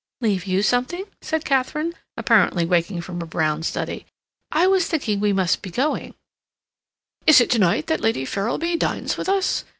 "Leave you something?" said Katharine, apparently waking from a brown study. "I was thinking we must be going—" "Is it to night that Lady Ferrilby dines with us?